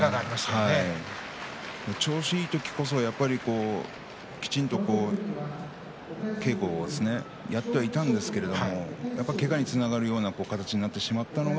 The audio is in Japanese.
調子いい時こそ、やっぱりきちんと稽古をやってはいたんですがけがにつながるような形になってしまったのが